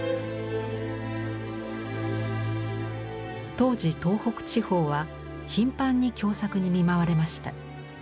当時東北地方は頻繁に凶作に見舞われました。